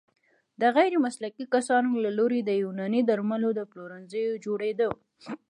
د غیرمسلکي کسانو له لوري د يوناني درملو د پلورنځيو جوړیدو